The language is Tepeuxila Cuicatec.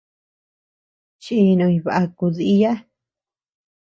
Chinuñ bakuu diya.